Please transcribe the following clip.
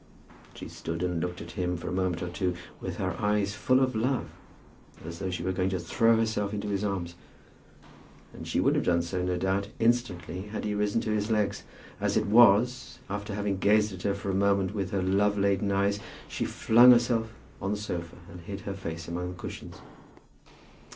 She stood and looked at him for a moment or two, with her eyes full of love, as though she were going to throw herself into his arms. And she would have done so, no doubt, instantly, had he risen to his legs. As it was, after having gazed at him for the moment with her love laden eyes, she flung herself on the sofa, and hid her face among the cushions.